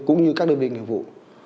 cũng như các đơn vị nghệ vụ